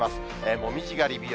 紅葉狩り日和。